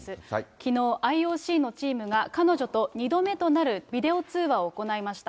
きのう、ＩＯＣのチームが、彼女と２度目となるビデオ通話を行いました。